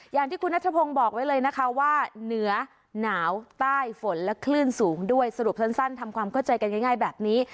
อย่างที่คุณนัทพงศ์บอกไว้เลยนะคะว่าเหนือหนาวใต้ฝนและคลื่นสูงด้วยสรุปสั้นทำความเข้าใจกันง่ายแบบนี้